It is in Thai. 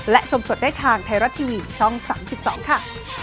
และชมสดได้ทางไทยรัฐทีวีช่อง๓๒ค่ะ